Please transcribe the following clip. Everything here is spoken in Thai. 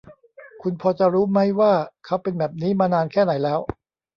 คุณพอจะรู้มั้ยว่าเขาเป็นแบบนี้มานานแค่ไหนแล้ว ?